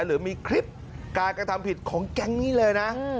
หรือมีคลิปการกระทำผิดของแก๊งนี้เลยนะ